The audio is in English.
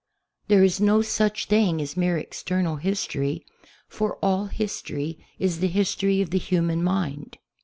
There is no such thing as mere external history, for all history is the history of the human mind.